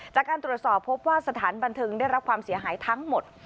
จากการตรวจสอบพบว่าสถานบันเทิงได้รับความเสียหายทั้งหมด